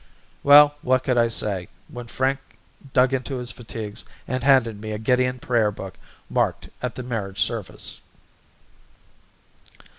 Well, what could I say when Frank dug into his fatigues and handed me a Gideon prayer book marked at the marriage service?